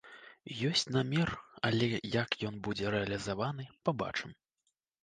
Ёсць намер, але як ён будзе рэалізаваны, пабачым.